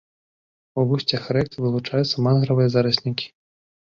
У вусцях рэк вылучаюцца мангравыя зараснікі.